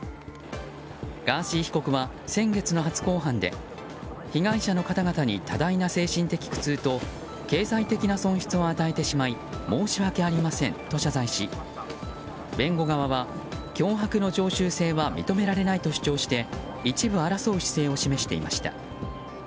ガーシー被告は先月の初公判で被害者の方々に多大な精神的苦痛と経済的な損失を与えてしまい申し訳ありませんと謝罪し弁護側は脅迫の常習性は認められないと主張して一部争う姿勢を示していました。